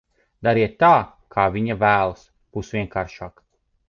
Dariet tā, kā viņa vēlas, būs vienkāršāk.